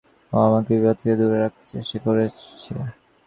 ও আমাকে বিপদ থেকে দুরে রাখতে চেষ্টা করেছে।